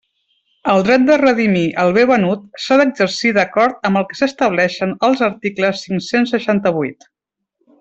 El dret de redimir el bé venut s'ha d'exercir d'acord amb el que estableixen els articles cinc-cents seixanta-vuit.